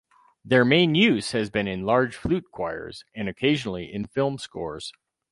Their main use has been in large flute choirs and occasionally in film scores.